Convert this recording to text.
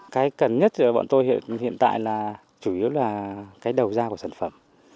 cái cần nhất của bọn tôi hiện tại là chủ yếu là đầu da của sản phẩm